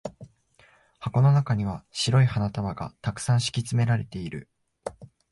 箱の中には白い花束が沢山敷き詰められている。